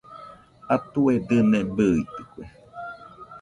Atue dɨne bɨidɨkue